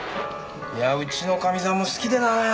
いやあうちのかみさんも好きでなあ。